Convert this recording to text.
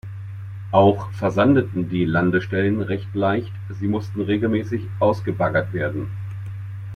Auch versandeten die Landestellen recht leicht, sie mussten regelmäßig ausgebaggert werden.